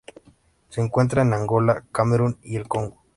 Se encuentra en Angola Camerún y el Congo.